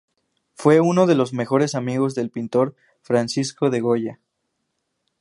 Fue uno de los mejores amigos del pintor Francisco de Goya.